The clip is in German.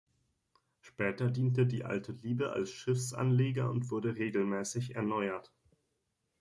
Später diente die Alte Liebe als Schiffsanleger und wurde regelmäßig erneuert.